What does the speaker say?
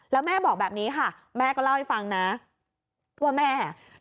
แล้วแม่บอกแบบนี้ค่ะแม่ก็เล่าให้ฟังนะว่าแม่